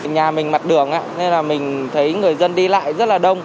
nhà mình mặt đường nên là mình thấy người dân đi lại rất là đông